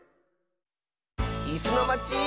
「いすのまち」。